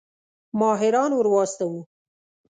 ماهران ورواستوو.